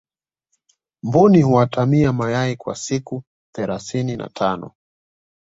mbuni huatamia mayai kwa siku thelathini na tano